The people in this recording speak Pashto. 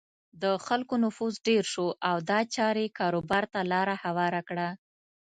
د خلکو نفوس ډېر شو او دا چارې کاروبار ته لاره هواره کړه.